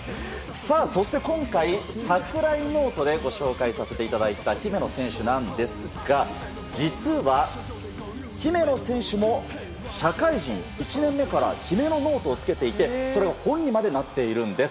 そして今回、櫻井ノートでご紹介させていただいた姫野選手なんですが実は、姫野選手も社会人１年目から姫野ノートをつけていてそれが本にまでなっています。